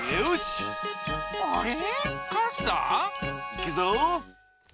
いくぞ！